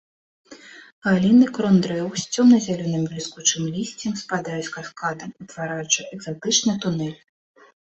Галіны крон дрэў з цёмна-зялёным бліскучым лісцем спадаюць каскадам, утвараючы экзатычны тунэль.